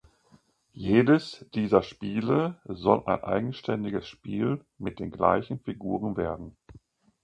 Jedes dieser Spiele soll ein eigenständiges Spiel mit den gleichen Figuren werden.